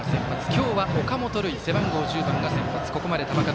今日は、岡本琉奨背番号１０番が先発。